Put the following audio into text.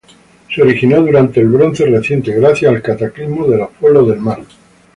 Se originó durante el Bronce Reciente gracias al cataclismo de los Pueblos del Mar.